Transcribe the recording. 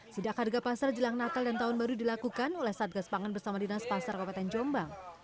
sidak harga pasar jelang natal dan tahun baru dilakukan oleh satgas pangan bersama dinas pasar kabupaten jombang